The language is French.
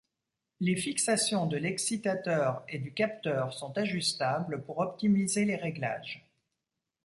Les fixations de l'excitateur et du capteur sont ajustables pour optimiser les réglages.